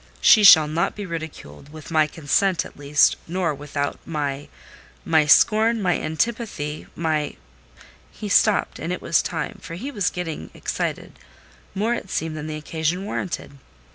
She shall not be ridiculed, with my consent, at least; nor without my—my scorn—my antipathy—my—" He stopped: and it was time—for he was getting excited—more it seemed than the occasion warranted.